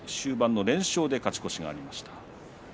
終盤の連勝で勝ち越しました。